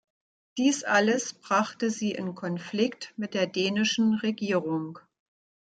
Dies alles brachte sie in Konflikt mit der dänischen Regierung.